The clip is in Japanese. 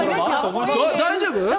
大丈夫？